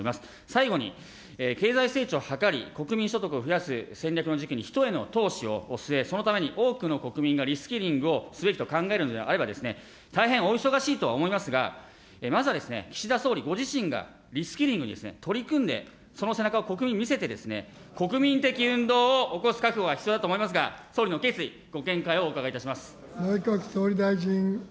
最後に、経済成長を図り、国民所得を増やす戦略の時期に人への投資を進め、そのために多くの国民がリスキリングをすべきと考えるのであれば、大変お忙しいとは思いますが、まずは岸田総理ご自身がリスキリングに取り組んで、その背中を国民に見せて、国民的運動を起こす覚悟が必要だと思いますが、総理の決意、ご見解をお伺いいたします。